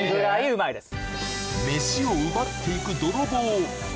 うまいです